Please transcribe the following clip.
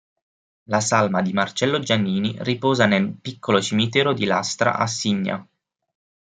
La salma di Marcello Giannini riposa nel piccolo cimitero di Lastra a Signa.